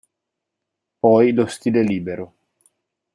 Poi lo stile libero.